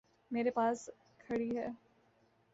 میرے پاس کھڑی ہے۔